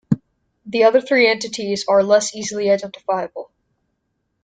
The other three entities are less easily identifiable.